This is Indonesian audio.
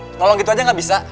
tolong gitu aja nggak bisa